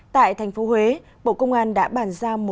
tại thành phố huế bộ công an đã bản ra một cano